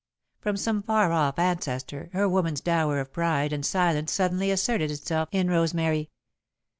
From some far off ancestor, her woman's dower of pride and silence suddenly asserted itself in Rosemary.